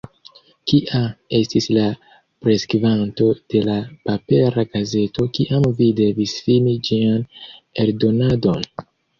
Kia estis la preskvanto de la papera gazeto, kiam vi devis fini ĝian eldonadon?